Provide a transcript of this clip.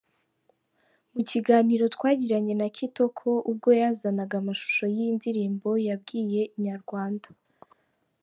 Mu kiganiro twagiranye na Kitoko ubwo yazanaga amashusho y’iyi ndirimbo yabwiye Inyarwanda.